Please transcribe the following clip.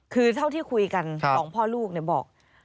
คือเท่าที่คุยกัน๒พ่อลูกบอก